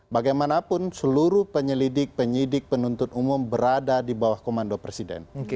bagaimanapun seluruh penyelidik penyidik penuntut umum berada di bawah komando presiden